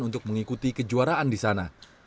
untuk mengikuti kejuaraan di sana